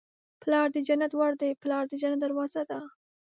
پلار د جنت ور دی. پلار د جنت دروازه ده